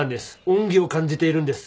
恩義を感じているんです。